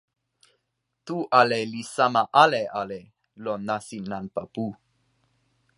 tu ale li sama ale ale lon nasin nanpa pu.